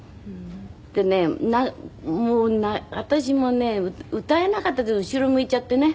でねもう私もね歌えなかった後ろ向いちゃってね。